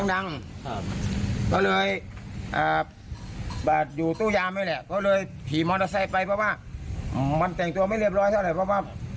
แต่ว่าที่พี่ไม่ให้แต่งตัวไปเพราะว่า